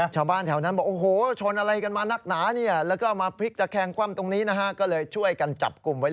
ชาวบ้านไปชนหลายที่นะ